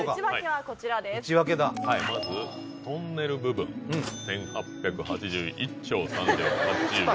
はいまずトンネル部分１８８１兆３０８６億円。